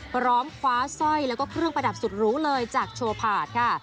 พร้อมคว้าสร้อยแล้วก็เครื่องประดับสุดรู้เลยจากโชว์ผาดค่ะ